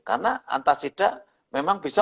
karena antasida memang bisa